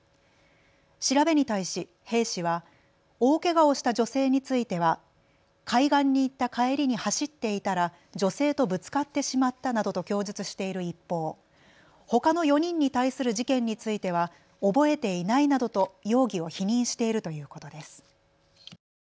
調べに対し兵士は大けがをした女性については海岸に行った帰りに走っていたら女性とぶつかってしまったなどと供述している一方、ほかの４人に対する事件については覚えていないなどと容疑を否認しているということです。